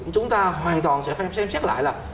chúng ta hoàn toàn sẽ xem xét lại là